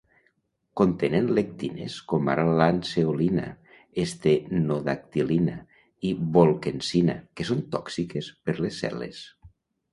Contenen lectines com ara la lanceolina, estenodactilina i volquensina, que són tòxiques per les cel·les.